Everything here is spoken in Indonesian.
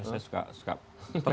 saya suka pergaulan gitu ya